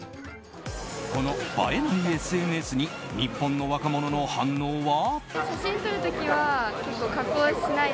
この映えないＳＮＳに日本の若者の反応は。